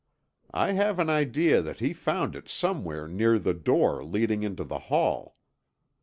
I have an idea that he found it somewhere near the door leading into the hall.